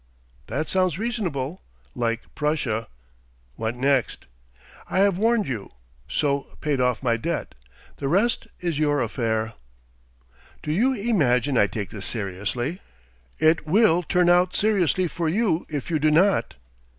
"That sounds reasonable like Prussia. What next?" "I have warned you, so paid off my debt. The rest is your affair." "Do you imagine I take this seriously?" "It will turn out seriously for you if you do not."